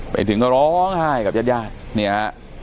ไปถึงก็ร้องไห้กับญาติญาติเนี่ยฮะ